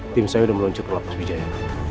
tim saya udah meluncur ke lapas bijaya